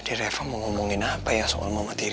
jadi reva mau ngomongin apa ya soal mama tiri